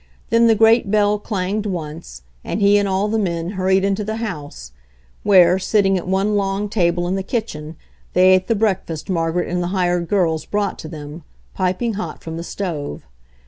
Then the great bell clanged once, and he and all the men hurried into the house, where, sitting at one long table in the kitchen, they ate the breakfast Margaret and the hired girls brought to them, piping hot from the stove.